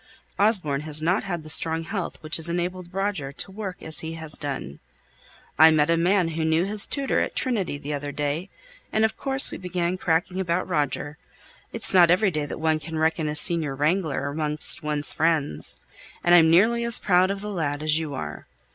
Osborne hasn't had the strong health which has enabled Roger to work as he has done. I met a man who knew his tutor at Trinity the other day, and of course we began cracking about Roger it's not every day that one can reckon a senior wrangler amongst one's friends, and I'm nearly as proud of the lad as you are.